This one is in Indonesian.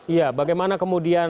iya bagaimana kemudian